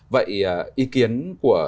vậy ý kiến của